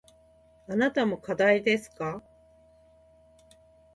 あなたも課題ですか。